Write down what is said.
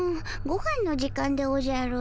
ごはんの時間でおじゃる。